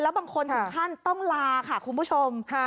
แล้วบางคนทุกท่านต้องลาค่ะคุณผู้ชม